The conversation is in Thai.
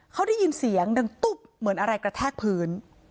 เขาได้ยินเสียงดังตุ๊บเหมือนอะไรกระแทกพื้น